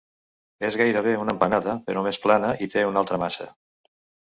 És gairebé una empanada, però més plana i té una altra massa.